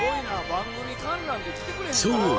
番組観覧で来てくれへんかな。